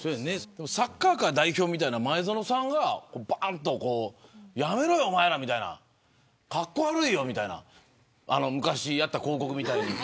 サッカー界代表みたいな前園さんがやめろよ、おまえら格好悪いよみたいな昔やった広告みたいに。